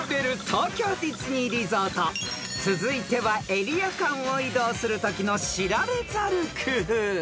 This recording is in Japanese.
［続いてはエリア間を移動するときの知られざる工夫］